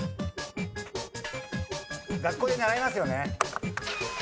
学校で習いますよね。